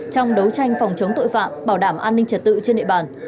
trong đấu tranh phòng chống tội phạm bảo đảm an ninh trật tự trên địa bàn